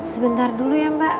sebentar dulu ya mbak